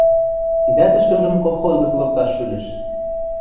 Тидӓт ӹшкӹмжӹм колхоз гӹц лыкташ шӱлӹш.